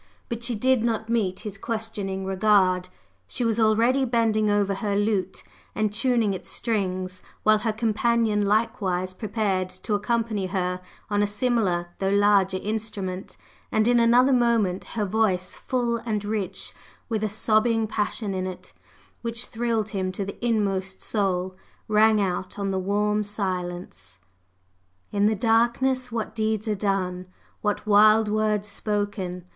But she did not meet his questioning regard, she was already bending over her lute and tuning its strings, while her companion likewise prepared to accompany her on a similar though larger instrument, and in another moment her voice, full and rich, with a sobbing passion in it which thrilled him to the inmost soul, rang out on the warm silence: In the darkness what deeds are done! What wild words spoken!